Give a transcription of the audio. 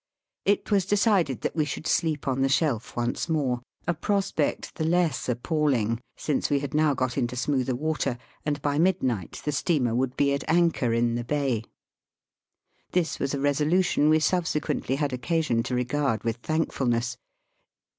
It was de cided that we should sleep on the shelf once more, a prospect the less appalling since we had now got into smoother water, and by midnight the steamer would be at anchor in the bay. This was a resolution we subsequently had occasion to regard with thankfulness.